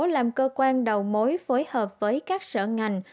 làm cơ quan đầu mối phối hợp với các sở ngành